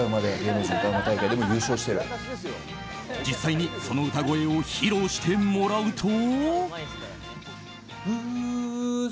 実際にその歌声を披露してもらうと。